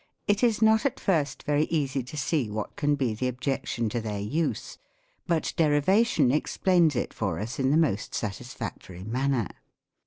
It is not, at first, very easy to see what can "be the objection to their use ; but derivation explains it for us in the most satisfactory manner.